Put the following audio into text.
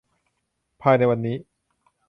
ภายในวันนี้